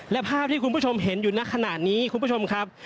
และภาพที่คุณผู้ชมเห็นอยู่ในขณะนี้คุณผู้ชมครับ